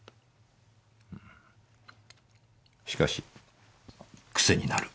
しかし癖になる。